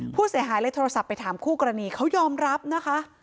ผู้เสียหายเลยโทรศัพท์ไปถามคู่กรณีเขายอมรับนะคะ